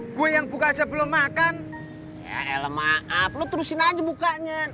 oh iya oh juga empet rei di because belum makan maaf lu terusin aja bukannya